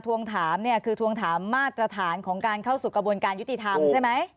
ถวงถามคือถวงถามมาตรฐานของการเข้าศุกรบรการยุติธรรมใช่ไหม